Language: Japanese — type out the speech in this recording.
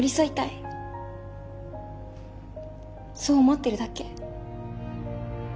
そう思っているだけ。